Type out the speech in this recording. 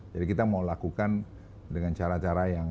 jadi kita mau lakukan dengan cara cara yang